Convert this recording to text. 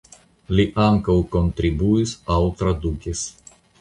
Li ankaŭ kontribuis aŭ tradukis.